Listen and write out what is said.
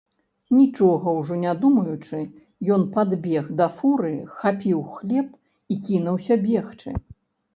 Нічога ўжо не думаючы, ён падбег да фуры, хапіў хлеб і кінуўся бегчы.